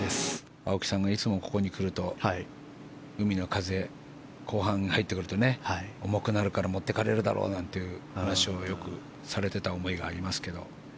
青木さんがいつもここに来ると海の風、後半に入ってくると重くなるから持ってかれるだろなんて話をよくされていた思いがありますけど。